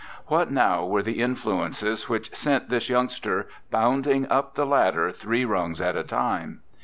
What now were the influences which sent this youngster bounding up the ladder three rungs at a time?